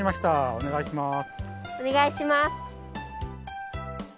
おねがいします。